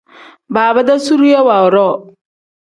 Baaba-dee zuriya woodoo.